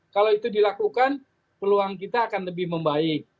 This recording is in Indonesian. kalau itu dilakukan peluang kita akan lebih membaik